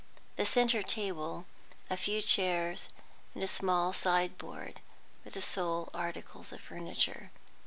The centre table, a few chairs, and a small sideboard were the sole articles of furniture.